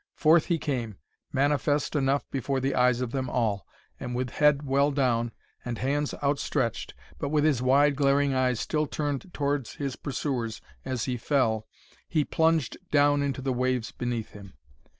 Forth he came, manifest enough before the eyes of them all, and with head well down, and hands outstretched, but with his wide glaring eyes still turned towards his pursuers as he fell, he plunged down into the waves beneath him.